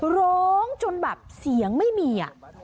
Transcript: ร้องจนแบบเสียงไม่มี